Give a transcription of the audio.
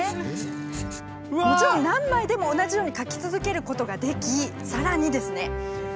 もちろん何枚でも同じように書き続けることができさらにですね